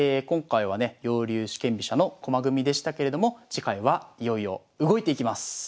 今回はね耀龍四間飛車の駒組みでしたけれども次回はいよいよ動いていきます。